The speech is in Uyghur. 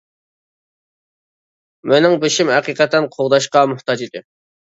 مېنىڭ بېشىم ھەقىقەتەن قوغداشقا موھتاج ئىدى.